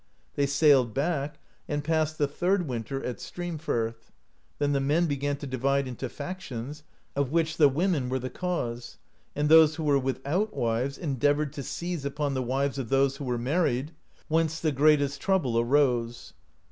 They sailed back, and passed the third winter at Stream firth. Then the men began to divide into factions, of which the women were the cause; and those who were without wives endeavoured to sieze upon the wives of those who were married, whence the greatest trouble arose.